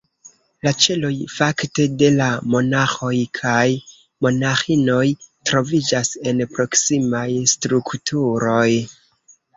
La ĉeloj, fakte, de la monaĥoj kaj monaĥinoj troviĝas en proksimaj strukturoj.